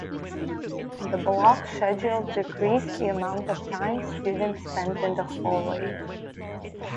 The block schedule decreased the amount of time students spent in the hallways.